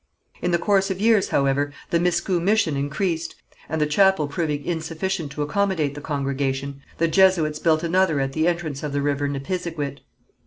In the course of years, however, the Miscou mission increased, and the chapel proving insufficient to accommodate the congregation, the Jesuits built another at the entrance of the river Nipisiguit.